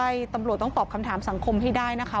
ใช่ตำรวจต้องตอบคำถามสังคมให้ได้นะคะ